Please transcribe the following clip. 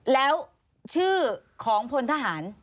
แล้วชื่อของพลทหาร